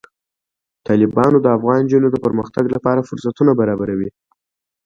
تالابونه د افغان نجونو د پرمختګ لپاره فرصتونه برابروي.